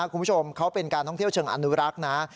คุณผู้ชมเขาเป็นการท่องเที่ยวเชิงอนุรักษ์นะ